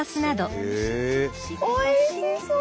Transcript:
おいしそう！